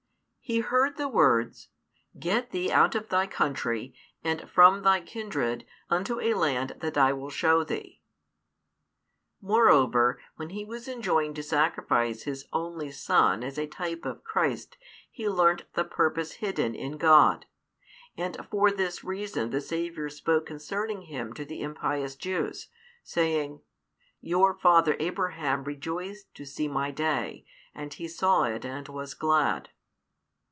He heard the words, Get thee out of thy country, and from thy kindred, unto a land that I will show thee. Moreoyer, when he was enjoined to sacrifice his only son as a type of Christ he learnt the purpose hidden in God. And for this reason the Saviour spoke concerning him to the impious Jews, saying: Your father Abraham rejoiced to see My day; and he saw it and was glad.